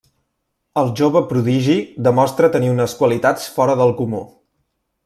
El jove prodigi demostra tenir unes qualitats fora del comú.